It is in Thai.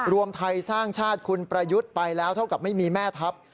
รวมไทยสร้างชาติคุณประยุทธ์ไปแล้วเท่ากับไม่มีแม่ทัพ